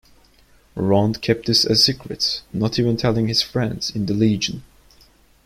Rond kept this a secret, not even telling his friends in the Legion.